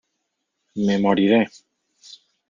¡ me moriré!...